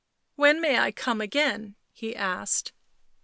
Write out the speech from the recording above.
" When may I come again?" he asked.